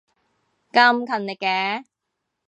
咁勤力嘅